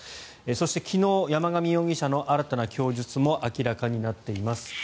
そして、昨日、山上容疑者の新たな供述も明らかになっています。